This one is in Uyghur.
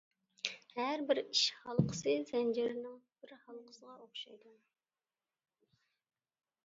ھەربىر ئىش ھالقىسى زەنجىرنىڭ بىر ھالقىسىغا ئوخشايدۇ.